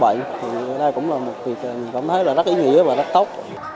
thì đây cũng là một việc mình cảm thấy rất ý nghĩa và rất tốt